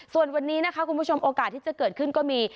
ส่วนวันนี้นะคะคุณผู้ชมโอกาสที่จะเกิดขึ้นก็มี